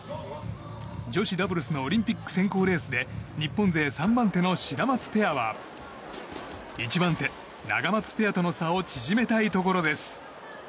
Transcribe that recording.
女子ダブルスのオリンピック選考レースで日本勢３番手のシダマツペアは１番手、ナガマツペアとの差を縮めたいところです。